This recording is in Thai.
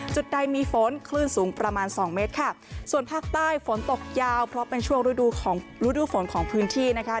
จุดใดมีฝนคลื่นสูงประมาณสองเมตรค่ะส่วนภาคใต้ฝนตกยาวเพราะเป็นช่วงฤดูของฤดูฝนของพื้นที่นะคะ